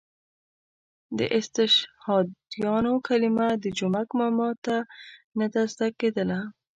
د استشهادیانو کلمه د جومک ماما ته نه زده کېدله.